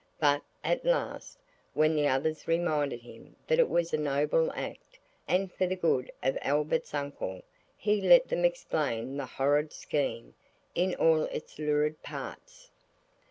But at last, when the others reminded him that it was a noble act, and for the good of Albert's uncle, he let them explain the horrid scheme in all its lurid parts.